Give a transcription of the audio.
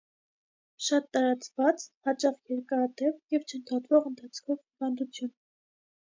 Շատ տարածված, հաճախ՝ երկարատև և չընդհատվող ընթացքով հիվանդություն։